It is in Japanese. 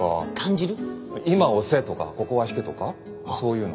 今押せとかここは引けとかそういうの。